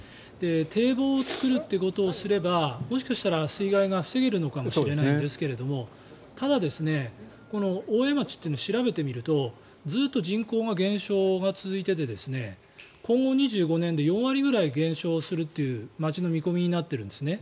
堤防を造るっていうことをすればもしかしたら水害が防げるのかもしれないんですがただ、大江町というのは調べてみるとずっと人口の減少が続いていて今後２５年で４割ぐらい減少するという町の見込みになっているんです。